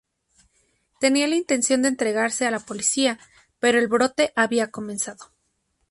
Tenía la intención de entregarse a la policía, pero el brote había comenzado.